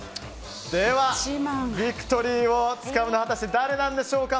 では、ビクトリーをつかむのは果たして誰なんでしょうか。